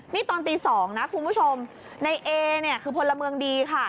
นี่ตอนตี๒นะคุณผู้ชมในเอเนี่ยคือพลเมืองดีค่ะ